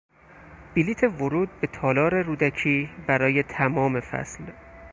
بلیط ورود به تالار رودکی برای تمام فصل